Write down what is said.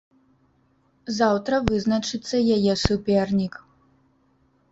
Заўтра вызначыцца яе супернік.